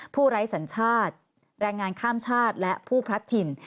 ไร้สัญชาติแรงงานข้ามชาติและผู้พลัดถิ่น